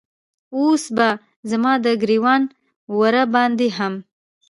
اوس به زما د ګریوان وره باندې هم